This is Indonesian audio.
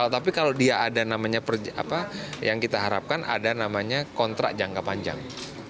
tapi kalau dia ada namanya yang kita harapkan ada namanya kontrak jangka panjang